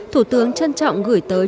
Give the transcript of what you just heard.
thủ tướng trân trọng gửi tới